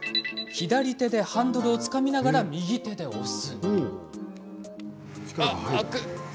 左手でハンドルをつかみながら右手で押す。